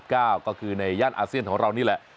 ก็คือในย่านอาเซียนของเรานี่แหละ